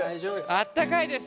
あったかいです。